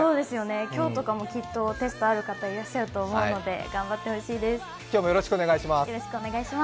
今日とかもきっとテストある方いらっしゃると思うので頑張ってほしいです。